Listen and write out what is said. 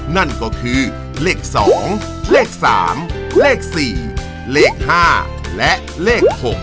นั่นก็คือเลข๒เลข๓เลข๔เลข๕และเลข๖